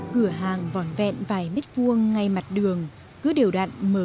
cửa hàng vòn vòn vẹn vài mét vuông ngay mặt đường cứ đều đặn mở cửa từ bảy giờ sáng